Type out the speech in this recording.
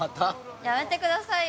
やめてくださいよ！